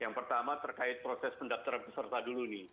yang pertama terkait proses pendaftaran peserta dulu nih